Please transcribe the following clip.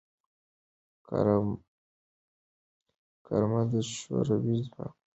کارمل د شوروي ځواکونو شتون د افغانستان د ملي ګټو لپاره بیان کړ.